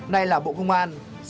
nay là bộ công an